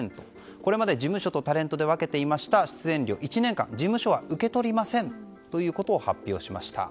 これまで事務所とタレントで分けていました出演料、１年間事務所は受け取りませんと発表しました。